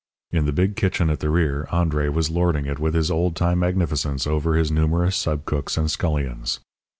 In the big kitchen at the rear André was lording it with his old time magnificence over his numerous sub cooks and scullions.